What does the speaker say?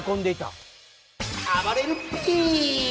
あばれるＰ！